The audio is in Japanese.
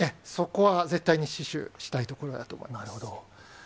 そこは絶対に死守したいとこなるほど。